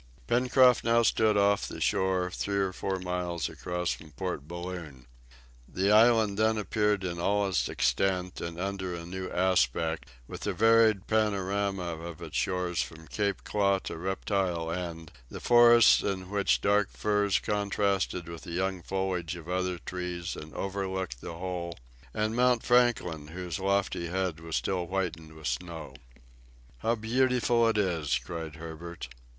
Pencroft now stood off the shore, three or four miles across from Port Balloon. The island then appeared in all its extent and under a new aspect, with the varied panorama of its shore from Claw Cape to Reptile End, the forests in which dark firs contrasted with the young foliage of other trees and overlooked the whole, and Mount Franklin whose lofty head was still whitened with snow. "How beautiful it is!" cried Herbert.